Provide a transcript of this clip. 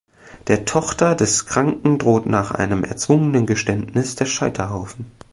Der Tochter des Kranken droht nach einem erzwungenen Geständnis der Scheiterhaufen.